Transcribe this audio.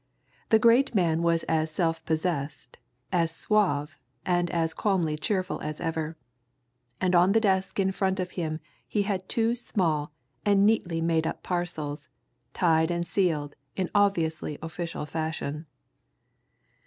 The great man was as self possessed, as suave, and as calmly cheerful as ever. And on the desk in front of him he had two small and neatly made up parcels, tied and sealed in obviously official fashion.